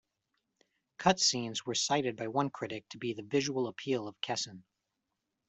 Cut scenes were cited by one critic to be "the visual appeal to Kessen".